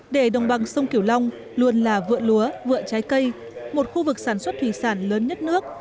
để đồng bằng sông kiểu long luôn là vựa lúa vựa trái cây một khu vực sản xuất thủy sản lớn nhất nước